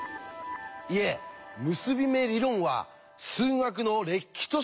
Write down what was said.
いえ「結び目理論」は数学のれっきとした一分野なんです。